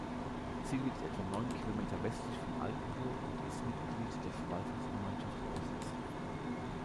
Sie liegt etwa neun Kilometer westlich von Altenburg und ist Mitglied der Verwaltungsgemeinschaft Rositz.